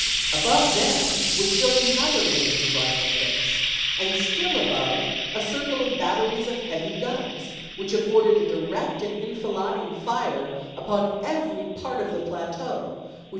Above them was still another range of rifle pits, and still above a circle of batteries of heavy guns which afforded a direct and enfilad Biair, ing fire upon every part of the plateau, which Dec.